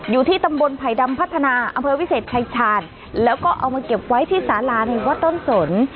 อยู่ที่ตำบลไผ่ดำพัฒนาอำเภอวิเศษชายชาญแล้วก็เอามาเก็บไว้ที่สาราในวัดต้นสน